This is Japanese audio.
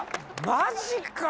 マジか。